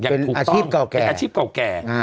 เป็นอาชีพเก่าแก่